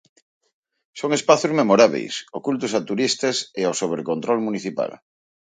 Son espazos memorábeis, ocultos a turistas e ao sobrecontrol municipal.